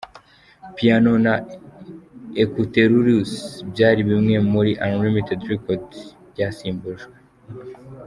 Piano na Ecouterurs byari byibwe muri Unlimited Record byasimbujwe.